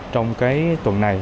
trong tuần này